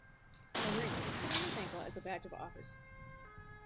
A ring is put on his ankle as a badge of office.